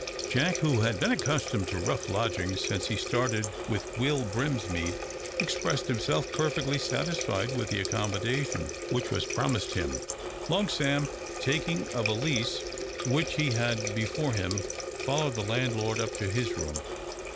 Jack, who had been accustomed to rough lodgings since he started with Will Brinsmead, expressed himself perfectly satisfied with the accommodation which was promised him. Long Sam, taking a valise which he had before him, followed the landlord up to his room.